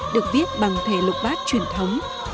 được viết bằng thể lục bát truyền thống